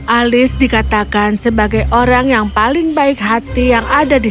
alice dikatakan sebagai orang yang paling baik hati yang ada di sini